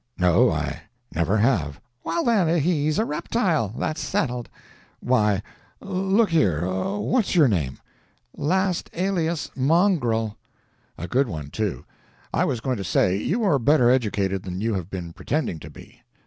"No, I never have." "Well, then, he's a reptile. That's settled." "Why, look here, whatsyourname—" "Last alias, Mongrel." "A good one, too. I was going to say, you are better educated than you have been pretending to be.